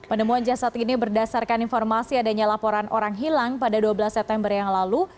penemuan jasad ini berdasarkan informasi adanya laporan orang hilang pada dua belas september yang lalu